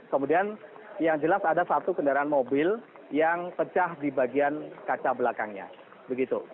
kemudian yang jelas ada satu kendaraan mobil yang pecah di bagian kaca belakangnya begitu